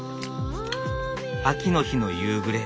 秋の日の夕暮れ。